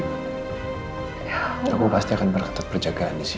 iya aku pasti akan berketat perjagaan disini